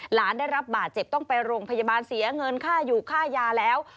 หลานได้รับบาดเจ็บต้องไปโรงพยาบาลเสียเงินค่าอยู่ค่ายาแล้ว